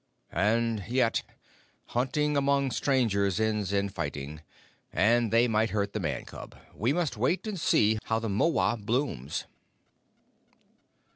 And yet hunting among strangers ends in fighting; and they might hurt the Man cub. We must wait and see how the mohwa blooms."